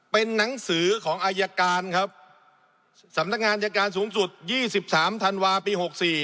เป็นหนังสือของอายการครับสำนักงานอายการสูงสุด๒๓ธันวาปี๖๔